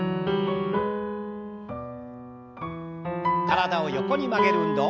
体を横に曲げる運動。